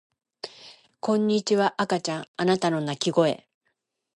こんにちは赤ちゃんあなたの泣き声